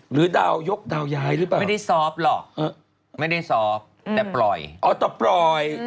ดาวยกดาวย้ายหรือเปล่าไม่ได้ซอฟต์หรอกไม่ได้ซอฟต์แต่ปล่อยอ๋อแต่ปล่อย